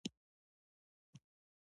ژمی د افغانستان د سیاسي جغرافیه برخه ده.